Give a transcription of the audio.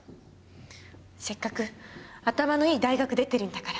せっかく頭のいい大学出てるんだから。